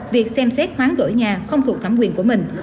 việc xem xét hoán đổi nhà không thuộc thẩm quyền của mình